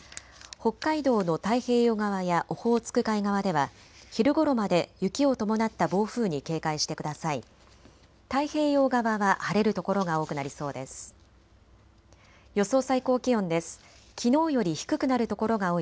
北海道の太平洋側やオホーツク海側では昼ごろまで雪を伴った暴風に警戒してください。